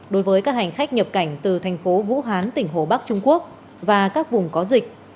đối với các hành khách nhập cảnh từ thành phố vũ hán tỉnh hồ bắc trung quốc và các vùng có dịch